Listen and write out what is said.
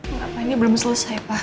enggak pak ini belum selesai pak